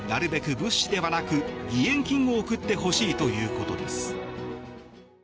物資ではなく義援金を送ってほしいということです。